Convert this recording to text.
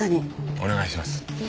お願いします。